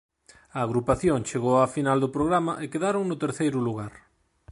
A agrupación chegou á final do programa e quedaron no terceiro lugar.